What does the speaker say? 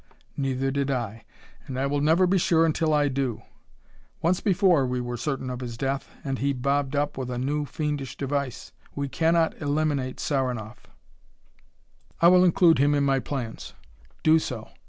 "Neither did I, and I will never be sure until I do. Once before we were certain of his death, and he bobbed up with a new fiendish device. We cannot eliminate Saranoff." "I will include him in my plans." "Do so.